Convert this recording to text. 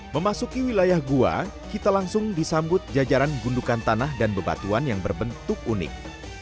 memasuki wilayah gua kita langsung disambut jajaran gundukan tanah dan bebatuan yang berbentuk unik